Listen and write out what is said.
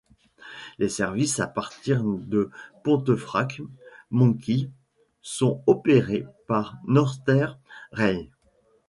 Les services à partir de Pontefract Monkhill sont opérés par Northern Rail.